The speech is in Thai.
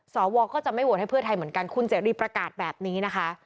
สวก็จะไม่โหวตให้เพื่อไทยเหมือนกันคุณเสรีประกาศแบบนี้นะคะ